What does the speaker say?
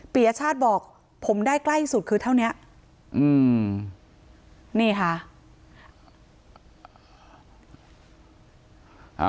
ปียชาติบอกผมได้ใกล้สุดคือเท่านี้อืมนี่ค่ะ